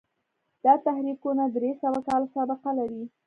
دا تحریکونه درې سوه کاله سابقه لري.